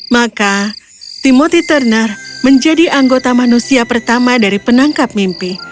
maka timoti turner menjadi anggota manusia pertama dari penangkap mimpi